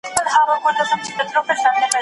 ماشوم په ډېره تلوسه د خپل پلار د کار ننداره کوله.